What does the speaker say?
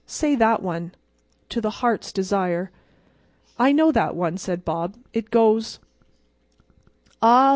Say that one—'to the Heart's Desire.'" "I know that one," said Bob. "It goes: "'Ah!